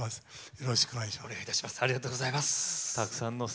よろしくお願いします。